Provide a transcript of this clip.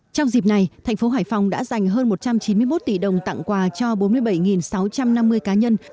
trong dịp này thành phố hải phòng đã dành hơn một trăm chín mươi một tỷ đồng tặng quà cho bốn mươi bảy sáu trăm năm mươi cá nhân